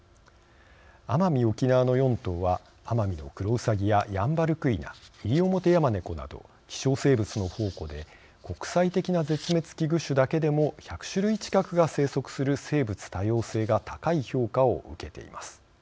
奄美・沖縄の４島はアマミノクロウサギやヤンバルクイナイリオモテヤマネコなど希少生物の宝庫で国際的な絶滅危惧種だけでも１００種類近くが生息する生物多様性が高い評価を受けています。